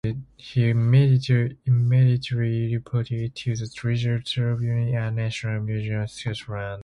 He immediately reported it to the Treasure Trove Unit and National Museums Scotland.